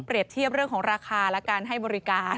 เทียบเรื่องของราคาและการให้บริการ